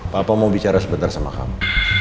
papa mau bicara sebentar sama kamu